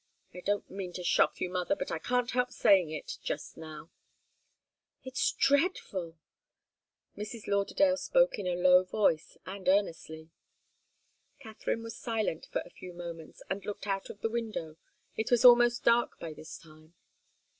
I don't mean to shock you, mother, but I can't help saying it, just now." "It's dreadful!" Mrs. Lauderdale spoke in a low voice and earnestly. Katharine was silent for a few moments, and looked out of the window. It was almost dark by this time.